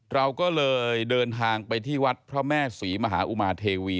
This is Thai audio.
เราก็เลยเดินทางไปที่วัดพระแม่ศรีมหาอุมาเทวี